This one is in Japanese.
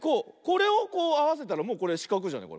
これをこうあわせたらもうこれしかくじゃない？